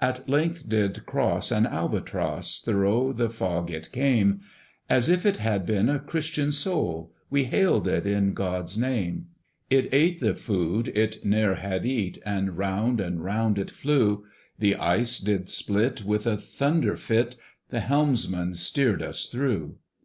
At length did cross an Albatross: Thorough the fog it came; As if it had been a Christian soul, We hailed it in God's name. It ate the food it ne'er had eat, And round and round it flew. The ice did split with a thunder fit; The helmsman steered us through!